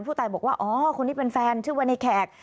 ผู้ตายบอกว่าอ๋อคนนี้เป็นแฟนชื่อว่าในแขก